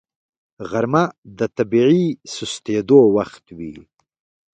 غرمه د طبیعي سستېدو وخت وي